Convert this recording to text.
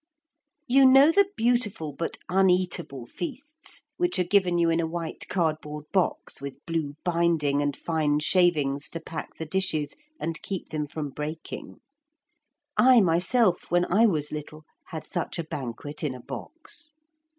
(You know the beautiful but uneatable feasts which are given you in a white cardboard box with blue binding and fine shavings to pack the dishes and keep them from breaking? I myself, when I was little, had such a banquet in a box.